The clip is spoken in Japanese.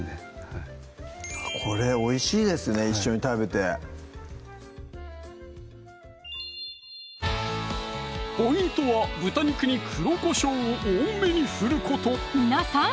はいこれおいしいですね一緒に食べてポイントは豚肉に黒こしょうを多めにふること皆さん